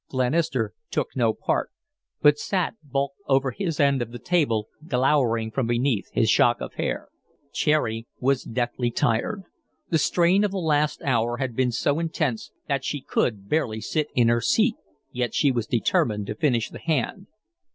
Glenister took no part, but sat bulked over his end of the table glowering from beneath his shock of hair. Cherry was deathly tired. The strain of the last hour had been so intense that she could barely sit in her seat, yet she was determined to finish the hand.